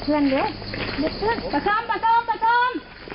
เจ๊เพื่อนเด็กปลาส้มปลาส้มปลาส้ม